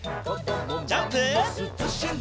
ジャンプ！